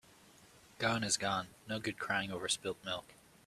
Gone is gone. No good in crying over spilt milk